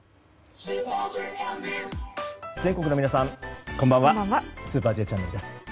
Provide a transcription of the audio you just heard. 全国の皆さん、こんばんは「スーパーＪチャンネル」です。